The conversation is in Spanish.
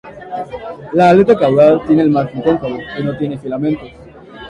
La aleta caudal tiene el margen cóncavo, y no tiene filamentos.